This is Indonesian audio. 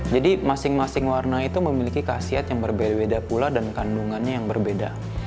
jadi masing masing warna itu memiliki khasiat yang berbeda beda pula dan kandungannya yang berbeda